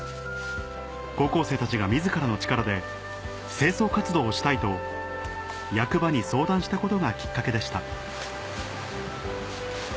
高校生たちが自らの力で清掃活動をしたいと役場に相談したことがきっかけでした